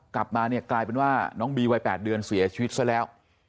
กลับมาเนี่ยกลายเป็นว่าน้องบีวัย๘เดือนเสียชีวิตซะแล้ว